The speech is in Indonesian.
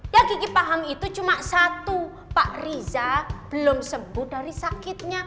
yang gigi paham itu cuma satu pak riza belum sembuh dari sakitnya